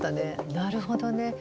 なるほどね。